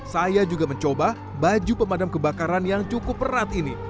saya juga mencoba baju pemadam kebakaran yang cukup erat ini